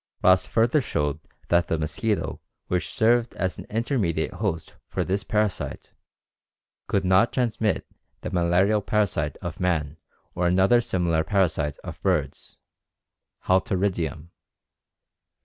Ross further showed that the mosquito which served as an intermediate host for this parasite could not transmit the malarial parasite of man or another similar parasite of birds (halteridium).